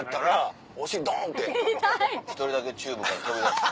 １人だけチューブから飛び出して。